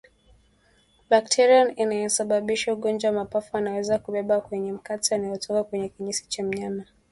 Bakteria anayesababisha ugonjwa wa mapafu anaweza kubebwa kwenye mate yanayotoka kwenye kinyesi cha mnyama